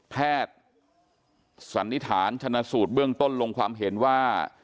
สันนิษฐานชนะสูตรเบื้องต้นลงความเห็นว่า